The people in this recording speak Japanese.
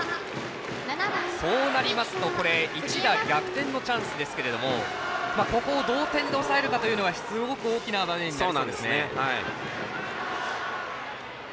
そうなりますと一打逆転のチャンスですけれどもここを同点で抑えるかというのがすごく大きな場面になりそうです。